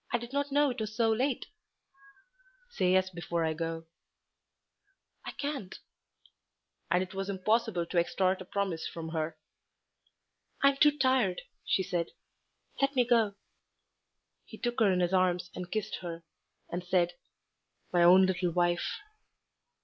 "I did not know it was so late." "Say yes before I go." "I can't." And it was impossible to extort a promise from her. "I'm too tired," she said, "let me go." He took her in his arms and kissed her, and said, "My own little wife."